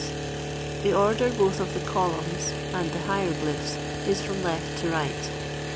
] The order both of the columns and the hieroglyphs is from left to right.